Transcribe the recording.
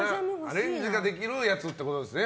アレンジができるやつってことですよね